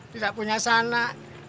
tidak punya sanak